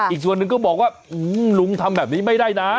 อีกส่วนหนึ่งก็บอกว่าลุงทำแบบนี้ไม่ได้นะ